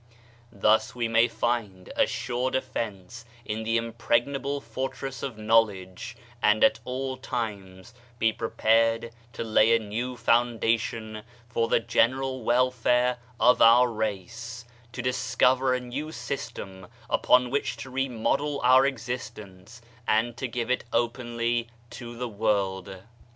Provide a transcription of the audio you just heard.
Thus we may find a sure defense in the impregnable fortress of knowledge, and at all times be prepared to lay a new founda tion for the general welfare of our race; to dis cover a new system upon which to remodel our existence, and to give it openly to the world.